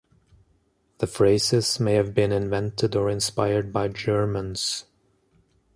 The phrases may have been invented or inspired by Germans.